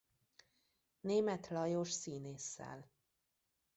Németh Lajos színésszel.